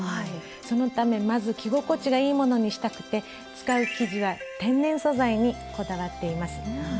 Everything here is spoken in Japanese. そのためまず着心地がいいものにしたくて使う生地は天然素材にこだわっています。